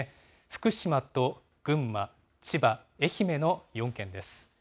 福島と群馬、千葉、愛媛の４件です。